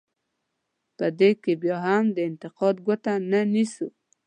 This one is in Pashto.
په دې کې بیا هم د انتقاد ګوته نه نیسو.